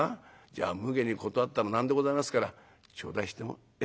じゃあむげに断ったらなんでございますから頂戴しても。